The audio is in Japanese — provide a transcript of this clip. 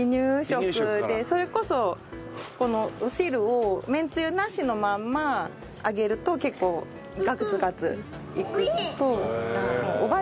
それこそこのお汁をめんつゆなしのまんまあげると結構ガツガツいく。